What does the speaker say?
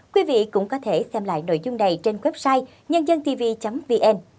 quý vị cũng có thể xem lại nội dung này trên website nhândântv vn